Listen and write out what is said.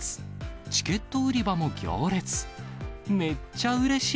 チケット売り場も行列。